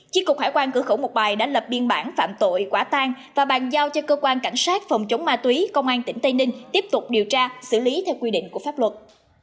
chiếc cục hải quan cửa khẩu mộc bài đã lập biên bản phạm tội quả tan và bàn giao cho cơ quan cảnh sát phòng chống ma túy công an tỉnh tây ninh tiếp tục điều tra xử lý theo quy định của pháp luật